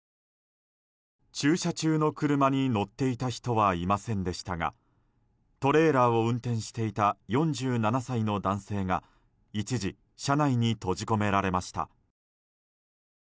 駐車中の車に乗っていた人はいませんでしたがトレーラーを運転していた４７歳の男性が一時、車内に閉じ込められました。